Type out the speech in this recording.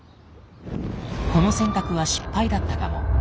この選択は失敗だったかも。